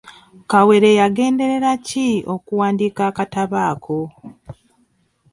Kawere yagenderera ki okuwandiika akatabo ako?